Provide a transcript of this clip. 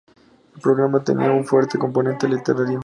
El programa tenía un fuerte componente literario.